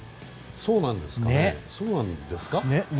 そうなんですか？